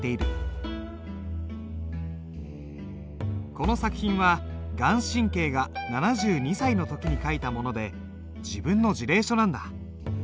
この作品は顔真が７２歳の時に書いたもので自分の辞令書なんだ。